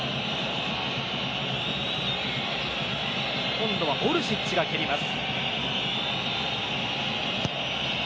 今度はオルシッチが蹴ります。